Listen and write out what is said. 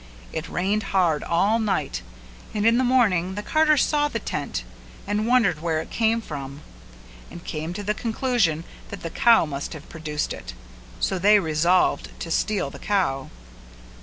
It rained hard all night and in the morning the carters saw the tent and wondered where it came from, and came to the conclusion that the cow must have produced it; so they resolved to steal the cow.